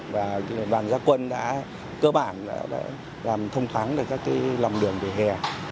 và gia quân đã cơ bản thông thoáng các lòng đường vỉa hè